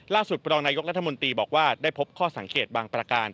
ปรองนายกรัฐมนตรีบอกว่าได้พบข้อสังเกตบางประการ